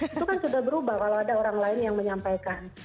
itu kan sudah berubah kalau ada orang lain yang menyampaikan